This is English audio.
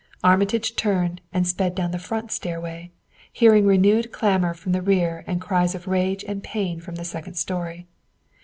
Armitage turned and sped down the front stairway, hearing renewed clamor from the rear and cries of rage and pain from the second story.